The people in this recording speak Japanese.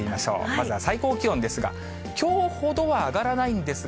まずは最高気温ですが、きょうほどは上がらないんですが、